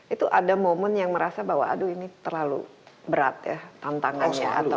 itu ada momen yang merasa bahwa aduh ini terlalu berat ya tantangannya